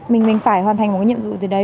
mình phải hoàn thành một nhiệm vụ gì đấy